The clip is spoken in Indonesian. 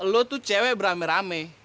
lo tuh cewek berame rame